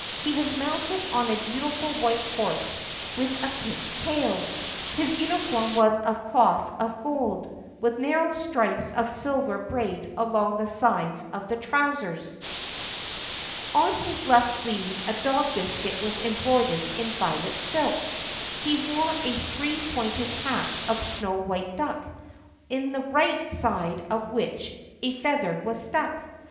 He was mounted on a beautiful white horse with a pink tail. His uniform was of cloth of gold, with narrow stripes of silver braid along the sides of the trousers. On his left sleeve a dog biscuit was embroidered in violet silk. He wore a three pointed hat of snow white duck, in the right side of which a feather was stuck.